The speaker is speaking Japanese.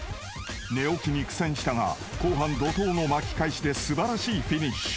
［寝起きに苦戦したが後半怒濤の巻き返しで素晴らしいフィニッシュ］